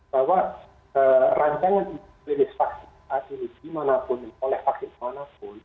bahwa rancangan klinis vaksin saat ini dimanapun oleh vaksin manapun